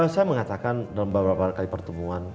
saya mengatakan dalam beberapa kali pertemuan